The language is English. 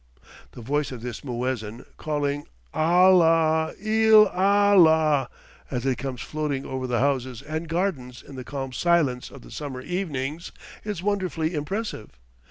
The voice of this muezzin calling "Allah il A l l a h," as it comes floating over the houses and gardens in the calm silence of the summer evenings, is wonderfully impressive.